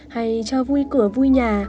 hay cho vui cửa vui nhà